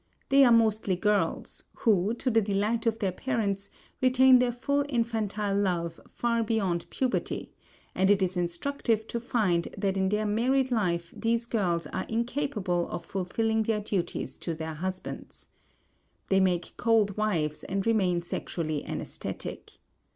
They are mostly girls, who, to the delight of their parents, retain their full infantile love far beyond puberty, and it is instructive to find that in their married life these girls are incapable of fulfilling their duties to their husbands. They make cold wives and remain sexually anesthetic.